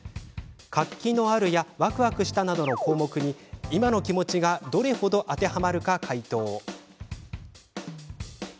活気のあるやわくわくしたなどの項目に今の気持ちがどれ程、当てはまるか回答。